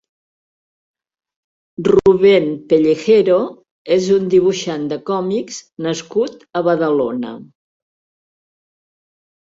Rubén Pellejero és un dibuixant de còmics nascut a Badalona.